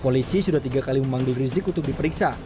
polisi sudah tiga kali memanggil rizik untuk diperiksa